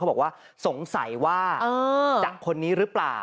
บอกว่าสงสัยว่าจะคนนี้หรือเปล่า